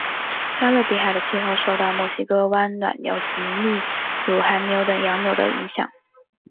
加勒比海的气候受到墨西哥湾暖流及秘鲁寒流等洋流的影响。